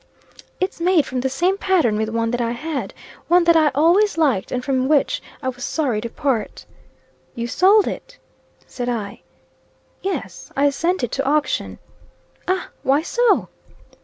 "It's made from the same pattern with one that I had. One that I always liked, and from which I was sorry to part." "You sold it?" said I. "Yes. I sent it to auction." "Ah! Why so?"